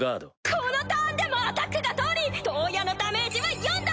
このターンでもアタックがとおりトウヤのダメージは４だ！